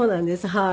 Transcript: はい。